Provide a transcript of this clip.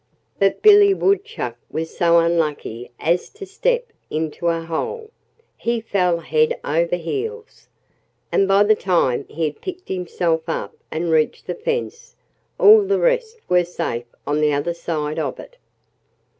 But Billy Woodchuck was so unlucky as to step into a hole. He fell head over heels. And by the time he had picked himself up and reached the fence all the rest were safe on the other side of it.